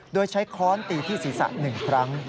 โดยใช้ค้อนตีที่ศีรษะ๑ครั้ง